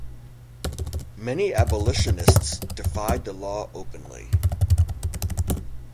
Many abolitionists defied the law openly.